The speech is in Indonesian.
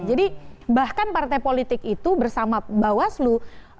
jadi bahkan partai politik itu bersama bawaslu